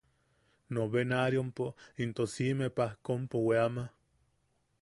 Novenaariopo into siʼime pajkompo weama.